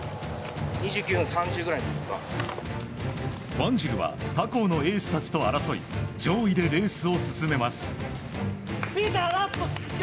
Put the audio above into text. ワンジルは他校のエースたちと争い上位でレースを進めます。